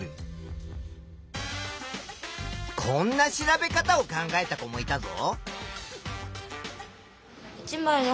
こんな調べ方を考えた子もいたぞ。